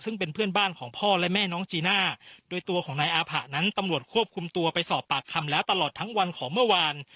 ซึ่งเป็นเพื่อนบ้านของพ่อและแม่น้องจีน่าโดยตัวของนายอาผะนั้นตำรวจควบคุมตัวไปสอบปากคำแล้วตลอดทั้งวันของเมื่อวาน